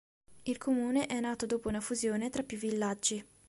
Il comune è nato dopo una fusione tra più villaggi.